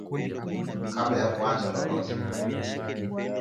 Kabla ya kuanza lolote